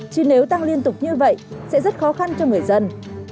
chứ nếu tăng liên tục như vậy sẽ rất khó khăn cho người dân